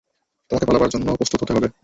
তোমাকে পালাবার জন্য প্রস্তুত হতে হবে!